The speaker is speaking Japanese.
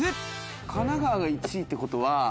神奈川が１位ってことは。